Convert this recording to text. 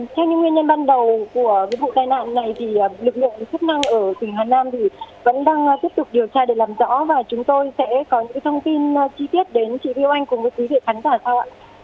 theo những nguyên nhân ban đầu của vụ tai nạn này thì lực lượng chức năng ở tỉnh hà nam vẫn đang tiếp tục điều tra để làm rõ và chúng tôi sẽ có những thông tin chi tiết đến chị viêu anh cùng với quý vị khán giả thưa ông ạ